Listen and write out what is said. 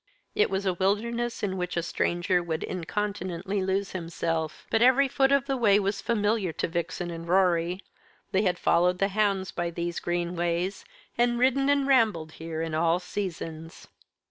It was a wilderness in which a stranger would incontinently lose himself; but every foot of the way was familiar to Vixen and Rorie. They had followed the hounds by these green ways, and ridden and rambled here in all seasons.